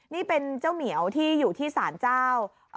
นี่เป็นเจ้าเหมียวที่อยู่ที่สารเจ้า